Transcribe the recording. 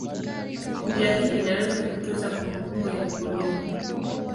Njia hii inaweza kutunza kumbukumbu ya kudumu.